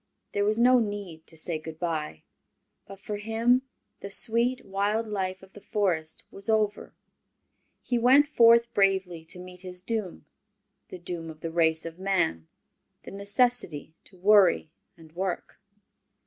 There was no need to say good by, by for him the sweet, wild life of the Forest was over. He went forth bravely to meet his doom the doom of the race of man the necessity to worry and work.